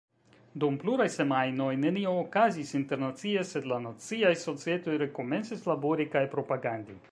Dum pluraj semajnoj nenio okazis internacie, sed la naciaj societoj rekomencis labori kaj propagandi.